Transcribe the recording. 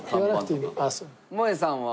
もえさんは？